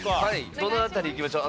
どの辺りいきましょう？